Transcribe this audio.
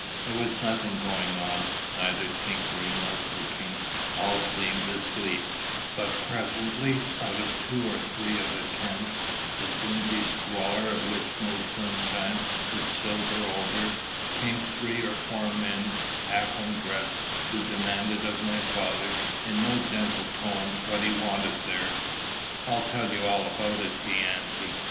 There was nothing going on, neither tinkering nor cooking; all seemed asleep; but presently out of two or three of the tents, the dingy squalor of which no moonshine could silver over, came three or four men, half undressed, who demanded of my father, in no gentle tones, what he wanted there. "I'll tell you all about it," he answered.